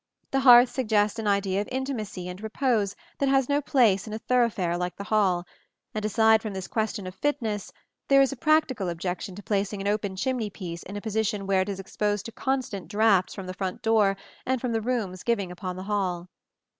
The hearth suggests an idea of intimacy and repose that has no place in a thoroughfare like the hall; and, aside from this question of fitness, there is a practical objection to placing an open chimney piece in a position where it is exposed to continual draughts from the front door and from the rooms giving upon the hall.